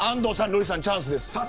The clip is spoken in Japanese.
瑠麗さんチャンスです。